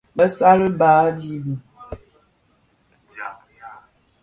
Bëssali baà di bi.